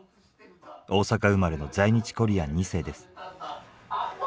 大阪生まれの在日コリアン２世です。